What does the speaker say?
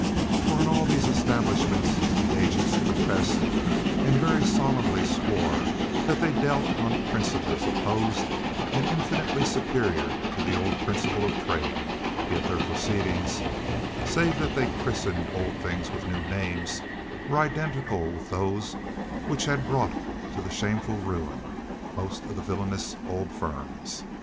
For in all the establishments the agents professed and very solemnly swore that they dealt on principles opposed and infinitely superior to the old principles of trade; yet their proceedings (save that they christened old things with new names) were identical with those which had brought to shameful ruin the most villainous old firms.